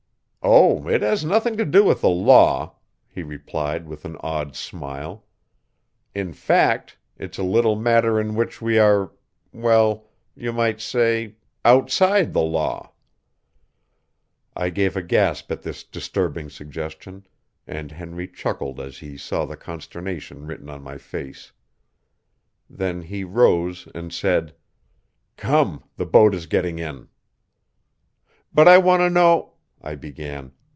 "Oh, it has nothing to do with the law," he replied with an odd smile. "In fact, it's a little matter in which we are well, you might say outside the law." I gave a gasp at this disturbing suggestion, and Henry chuckled as he saw the consternation written on my face. Then he rose and said: "Come, the boat is getting in." "But I want to know " I began.